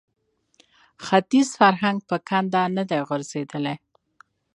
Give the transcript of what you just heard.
ختیز فرهنګ په کنده نه دی غورځېدلی